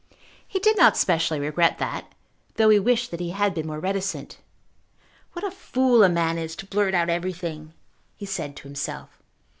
He did not specially regret that, though he wished that he had been more reticent. "What a fool a man is to blurt out everything!" he said to himself.